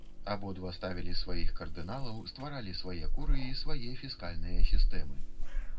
Абодва ставілі сваіх кардыналаў, стваралі свае курыі, свае фіскальныя сістэмы.